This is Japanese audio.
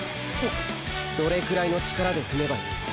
っ！どれくらいの力で踏めばいい？